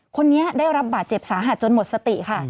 คนนี้ได้รับบาดเจ็บสาหัสจนหมดสติค่ะ